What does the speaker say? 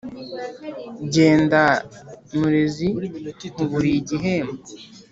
Jyenda Murezi nkuburiye igihembo!